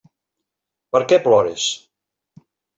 Per què plores?